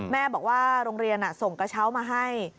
แม่บอกว่าโรงเรียนส่งกระเช้ามาให้